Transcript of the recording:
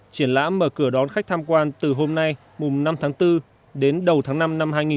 triển lãm mở cửa đón khách tham quan từ hôm nay mùm năm tháng bốn đến đầu tháng năm năm hai nghìn một mươi bảy